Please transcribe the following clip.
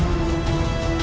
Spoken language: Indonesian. dari mana saja